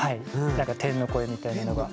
なんか天の声みたいなのが。